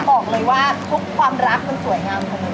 บอกเลยว่าทุกความรักมันสวยงามของทุกคน